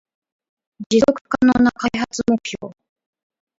持続可能な開発目標